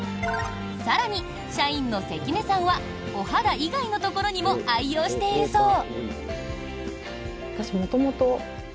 更に、社員の関根さんはお肌以外のところにも愛用しているそう。